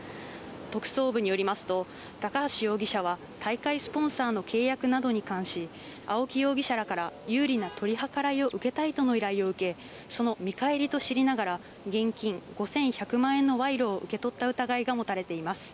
特捜部によりますと、高橋容疑者は、大会スポンサーの契約などに関し、青木容疑者らから有利な取り計らいを受けたいとの依頼を受け、その見返りと知りながら、現金５１００万円の賄賂を受け取った疑いが持たれています。